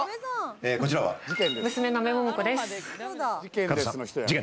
こちらは娘の阿部桃子です。